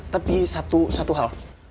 tapi satu hal